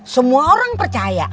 semua orang percaya